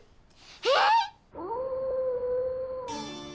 えっ！